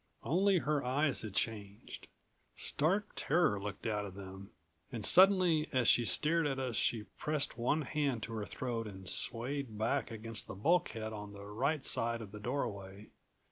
Only her eyes had changed. Stark terror looked out of them and suddenly as she stared at us she pressed one hand to her throat and swayed back against the bulkhead on the right side of the doorway.